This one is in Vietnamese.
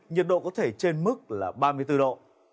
nhiệt độ có thể trên mức là ba mươi bốn độ